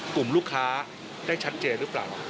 กลุ่มลูกค้าได้ชัดเจนหรือเปล่า